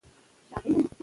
ژبه د بیان ښکلا لري.